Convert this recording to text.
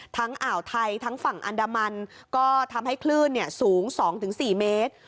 อ่าวไทยทั้งฝั่งอันดามันก็ทำให้คลื่นสูง๒๔เมตร